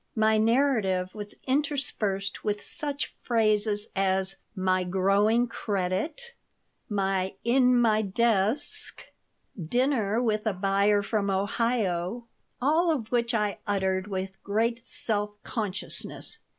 My narrative was interspersed with such phrases as, "my growing credit," "my "in my desk," "dinner with a buyer from Ohio," all of which I uttered with great self consciousness.